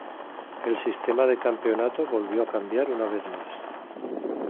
El sistema de campeonato volvió a cambiar una vez más.